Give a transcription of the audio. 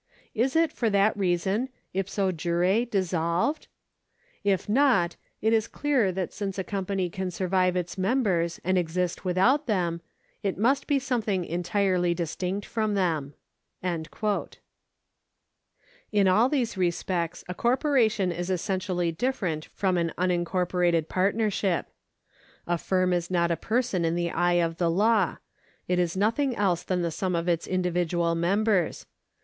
Is it, for that reason, ipso jure dissolved ? If not, it is clear that since a company can survive its members and exist without them, it must be something entirely distinct from them.* In all those respects a corporation is essentially different from an unincorporated partnership. A firm is not a person in the eye of the law ; it is nothing else than the sum of its individual members.